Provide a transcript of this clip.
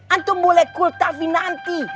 antum mulai kultafi nanti